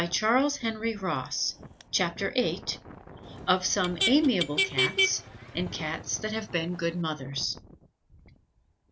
[Illustration: CHAPTER VIII.] _Of some amiable Cats, and Cats that have been good Mothers.